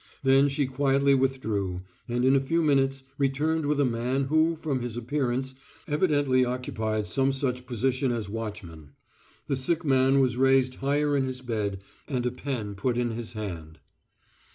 Then she quietly withdrew, and in a few minutes returned with a man who from his appearance evidently occupied some such position as watchman. The sick man was raised higher in his bed and a pen put in his hand.